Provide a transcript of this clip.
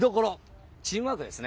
チームワークです。